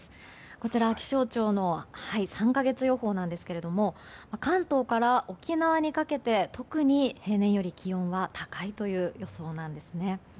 こちら、気象庁の３か月予報なんですが関東から沖縄にかけて特に平年より気温は高いという予想なんですね。